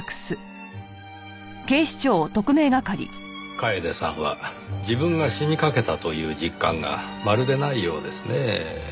楓さんは自分が死にかけたという実感がまるでないようですねぇ。